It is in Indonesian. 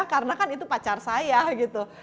karena kan itu pacar saya gitu